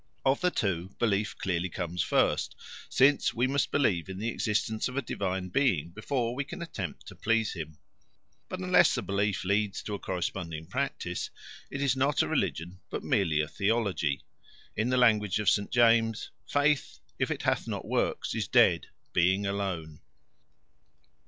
Of the two, belief clearly comes first, since we must believe in the existence of a divine being before we can attempt to please him. But unless the belief leads to a corresponding practice, it is not a religion but merely a theology; in the language of St. James, "faith, if it hath not works, is dead, being alone."